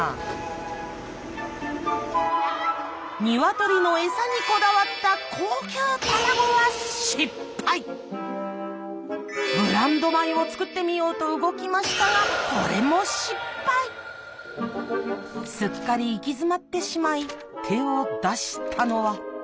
鶏の餌にこだわったを作ってみようと動きましたがこれもすっかり行き詰まってしまい手を出したのは。